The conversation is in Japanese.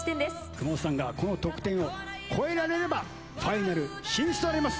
熊本さんがこの得点を超えればファイナル進出となります。